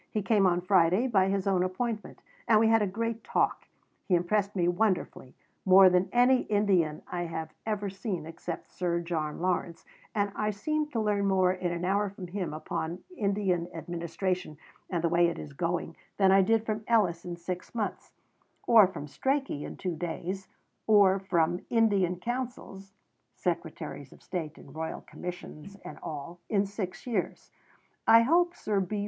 He came on Friday by his own appointment. And we had a great talk. He impressed me wonderfully more than any Indian I have ever seen except Sir John Lawrence; and I seemed to learn more in an hour from him upon Indian administration and the way it is going than I did from Ellis in six months, or from Strachey in two days, or from Indian Councils (Secretaries of State and Royal Commissions and all) in six years. I hope Sir B.